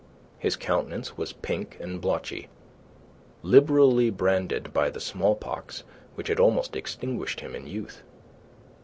His countenance was pink and blotchy, liberally branded by the smallpox which had almost extinguished him in youth.